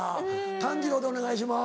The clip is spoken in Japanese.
「炭治郎でお願いします」